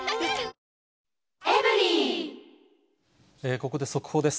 ここで速報です。